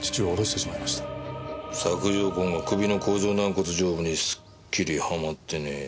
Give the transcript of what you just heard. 索条痕が首の甲状軟骨上部にすっきりはまってねえ。